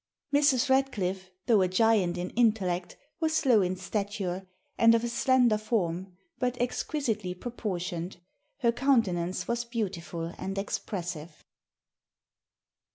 _] "Mrs. Radcliffe, though a giant in intellect, was low in stature, and of a slender form, but exquisitely proportioned: her countenance was beautiful and expressive."